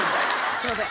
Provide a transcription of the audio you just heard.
すいません。